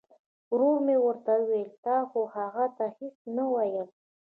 ورو مې ورته وویل تا خو هغه ته هیڅ نه ویل.